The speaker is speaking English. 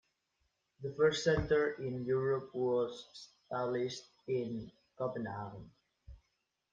The first centre in Europe was established in Copenhagen.